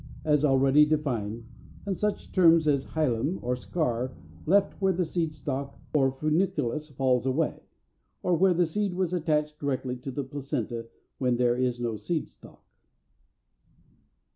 as already defined (320, 321), and such terms as HILUM, or Scar left where the seed stalk or funiculus falls away, or where the seed was attached directly to the placenta when there is no seed stalk.